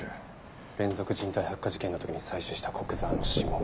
連続人体発火事件の時に採取した古久沢の指紋